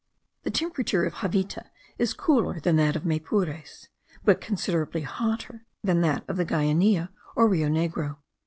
The temperature of Javita is cooler than that of Maypures, but considerably hotter than that of the Guainia or Rio Negro.